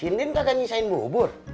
sintin kagak nyesain bubur